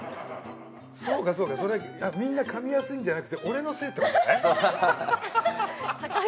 そうかそうかそれみんな噛みやすいんじゃなくてはっはっはっは！